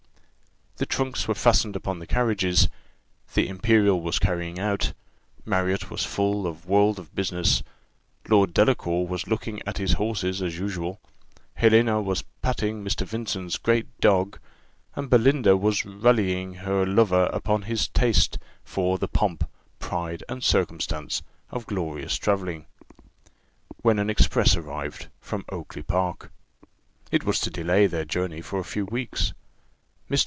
The trunks were fastened upon the carriages, the imperial was carrying out, Marriott was full of a world of business, Lord Delacour was looking at his horses as usual, Helena was patting Mr. Vincent's great dog, and Belinda was rallying her lover upon his taste for "the pomp, pride, and circumstance" of glorious travelling when an express arrived from Oakly park. It was to delay their journey for a few weeks. Mr.